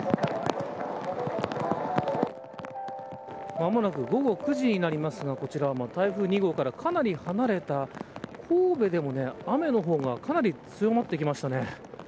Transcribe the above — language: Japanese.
間もなく午後９時になりますがこちら台風２号からかなり離れた神戸でも、雨の方がかなり強まってきましたね。